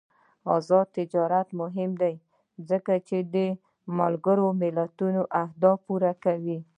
آزاد تجارت مهم دی ځکه چې د ملګرو ملتونو اهداف پوره کوي.